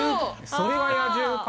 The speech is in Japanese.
それは野獣か。